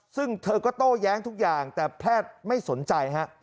ซึ่งเธอก็โต้แย้งทุกอย่างแต่แพทย์ไม่สนใจฮะ